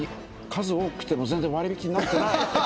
数多くても全然割引になってない。